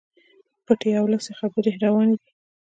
پټي او لڅي خبري رواني دي.